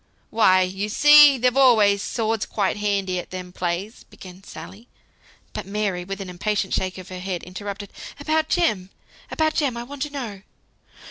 "Why, you see, they've always swords quite handy at them plays," began Sally; but Mary, with an impatient shake of her head, interrupted, "About Jem, about Jem, I want to know."